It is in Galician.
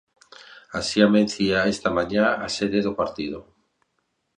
Así amencía esta mañá a sede do partido.